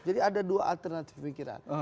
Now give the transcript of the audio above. jadi ada dua alternatif pemikiran